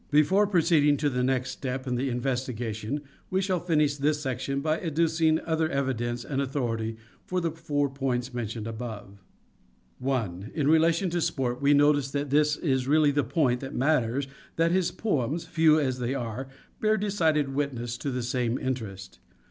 Before proceeding to the next step in the investigation we shall finish this section by adducing other evidence and authority for the four points mentioned above. i. In relation to sport we notice — and this is really 148 " SHAKESPEARE " IDENTIFIED Sport the point that matters — that his poems, few as they are, bear decided witness to the same interest.